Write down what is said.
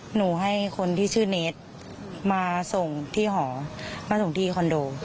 หนูให้คนที่ชื่อเนสมาส่งที่หอมาส่งที่คอนโด